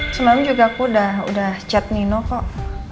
sebelumnya juga aku udah chat nino kok